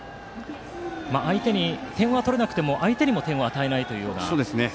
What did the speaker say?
点は取れなくても相手にも点を与えないというような。